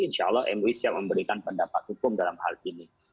insya allah mui siap memberikan pendapat hukum dalam hal ini